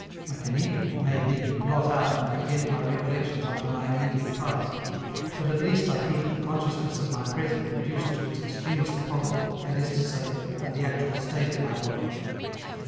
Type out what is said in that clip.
I can even, it may be, blot out and forget my recollections up to my immediate past; but at least I keep the consciousness of my present reduced to its extremest poverty, that is to say, of the actual state of my body.